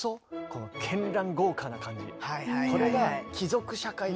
このけんらん豪華な感じ。